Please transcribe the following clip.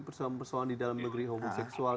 persoalan persoalan di dalam negeri homoseksual